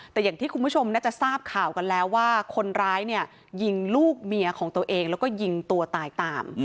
แต่อย่างที่คุณผู้ชมน่าจะทราบข่าวกันแล้วว่าคนร้ายเนี่ยยิงลูกเมียของตัวเองแล้วก็ยิงตัวตายตาม